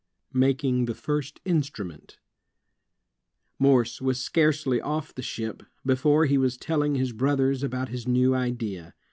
'' Making the First Instrument Morse was scarcely oflF the ship, before he was telling his brothers about his new idea.